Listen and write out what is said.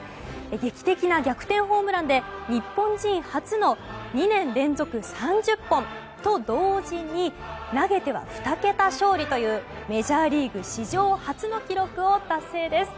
劇的な逆転ホームランで日本人初の２年連続３０本と同時に投げては２桁勝利というメジャーリーグ史上初の記録を達成です。